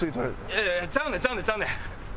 いやいやちゃうねんちゃうねんちゃうねん。